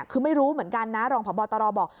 คือไม่รู้เหมือนกันนะรองพบตรบอก